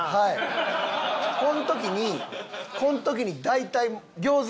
この時にこの時に大体餃子い